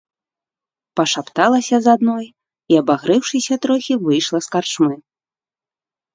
Пашапталася з адной і, абагрэўшыся трохі, выйшла з карчмы.